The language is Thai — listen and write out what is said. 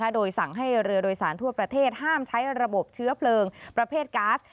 โดยสั่งให้เรือโดยสารทั่วประเทศห้ามใช้ระบบเชื้อเพลิงประเภทก๊าซ